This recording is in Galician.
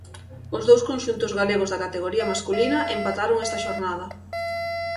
Os dous conxuntos galegos da categoría masculina empataron esta xornada.